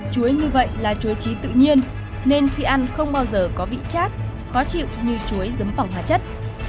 chuối như vậy là chuối trí tự nhiên nên khi ăn không bao giờ có vị chát khó chịu như chuối dấm bỏng hóa chất